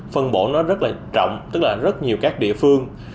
phân bổ nó rất là trọng tức là rất nhiều các địa phương